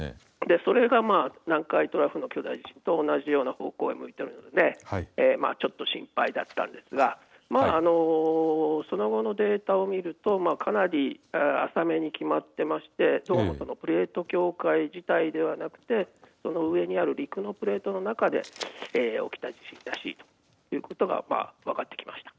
それが南海トラフの巨大地震と同じような方向を向いているのでちょっと心配だったんですがその後のデータを見るとかなり浅めに決まっていましてプレーと境界自体ではなくてその上にある陸のプレートの中で起きた地震らしいということが分かってきました。